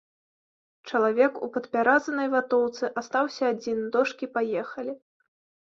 Чалавек у падпяразанай ватоўцы астаўся адзін, дошкі паехалі.